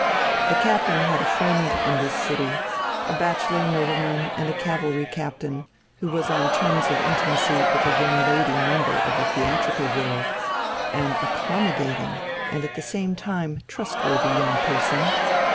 The Captain had a friend in this city, a bachelor nobleman and a cavalry captain, who was on terms of intimacy with a young lady member of the theatrical world, an accommodating and at the same time trustworthy young person.